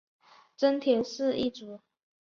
真田氏一族。